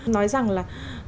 nói rằng là